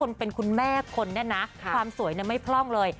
เป็นคุณแม่คนเนี่ยนะความสวยไม่พร่องเลย